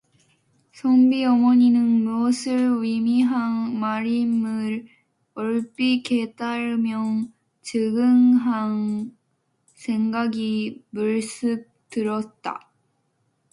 선비 어머니는 무엇을 의미한 말임을 얼핏 깨달으며 측은한 생각이 불쑥 들었다.